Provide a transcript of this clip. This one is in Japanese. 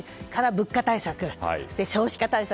物価対策や少子化対策